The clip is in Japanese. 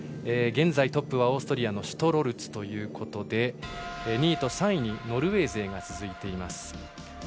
現在、トップはオーストリアのシュトロルツということで２位と３位にノルウェー勢が続いています。